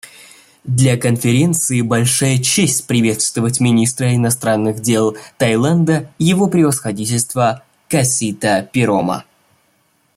Для Конференции большая честь приветствовать министра иностранных дел Таиланда Его Превосходительство Касита Пирома.